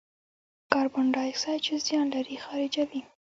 کاربن دای اکساید چې زیان لري، خارجوي.